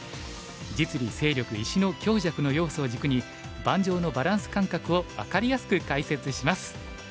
実利勢力石の強弱の要素を軸に盤上のバランス感覚を分かりやすく解説します。